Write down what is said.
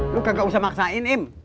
lu kagak usah maksain im